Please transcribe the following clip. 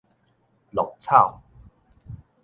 鹿草